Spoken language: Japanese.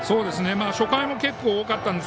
初回も結構多かったです。